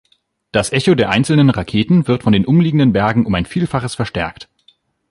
Das Echo der einzelnen Raketen wird von den umliegenden Bergen um ein Vielfaches verstärkt.